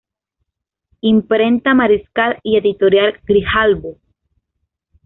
Imprenta Mariscal y Editorial Grijalbo.